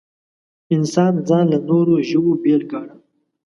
انسان ځان له نورو ژوو بېل ګاڼه.